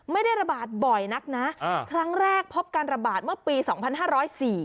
ไม่ได้ระบาดบ่อยนักนะอ่าครั้งแรกพบการระบาดเมื่อปีสองพันห้าร้อยสี่